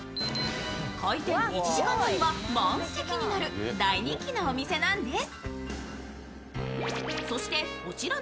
開店１時間後には満席になる大人気のお店なんです。